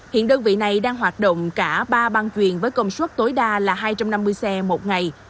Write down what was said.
hiện đơn vị này đang hoạt động cả ba ban chuyển với công suất tối đa là hai trăm năm mươi xe một ngày